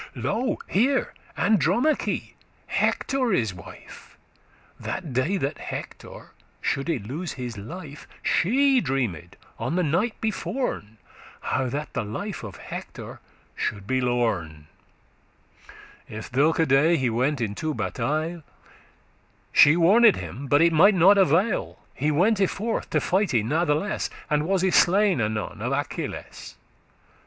<18> Lo here, Andromache, Hectore's wife, <19> That day that Hector shoulde lose his life, She dreamed on the same night beforn, How that the life of Hector should be lorn,* *lost If thilke day he went into battaile; She warned him, but it might not avail; He wente forth to fighte natheless, And was y slain anon of Achilles.